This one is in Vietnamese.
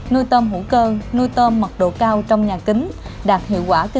nuôi tôm hữu cơ nuôi tôm mật độ cao trong nhà kính